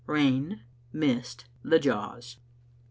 RAIN— MIST— THE JAWS.